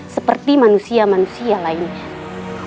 seperti manusia manusia lainnya